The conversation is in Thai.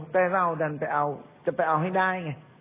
แต่เราดันไปเอาจะไปเอาให้ได้ไง